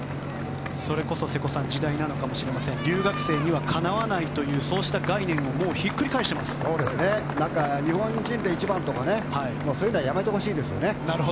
それこそ瀬古さん時代なのかもしれません留学生にはかなわないというそうした概念を日本人で１番とかそういうのはやめてほしいですよね。